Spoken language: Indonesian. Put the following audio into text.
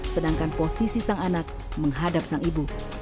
sedangkan posisi sang anak menghadap sang ibu